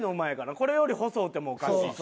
これより細うてもおかしいし。